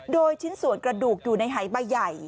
โดยชิ้นส่วนกระดูกอยู่ในหายใบใหญ่